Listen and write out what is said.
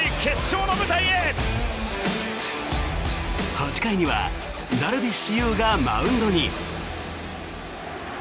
８回にはダルビッシュ有がマウンドに。